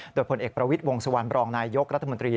โดยผลเอกประวิทย์วงสุวรรณบรองนายยกรัฐมนตรี